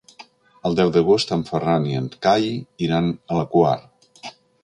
El deu d'agost en Ferran i en Cai iran a la Quar.